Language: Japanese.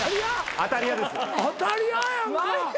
当たり屋やんか。